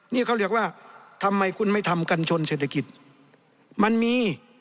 นี่เขาเรียกว่าทำไมคุณไม่ทำกัญชนเศรษฐกิจมันมี